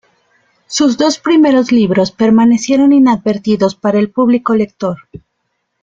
Sus dos primeros libros permanecieron inadvertidos para el público lector.